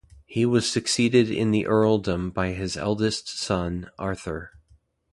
He was succeeded in the earldom by his eldest son, Arthur.